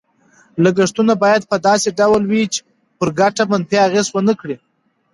لګښتونه باید په داسې ډول وي چې پر ګټه منفي اغېز ونه کړي.